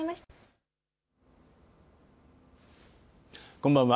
こんばんは。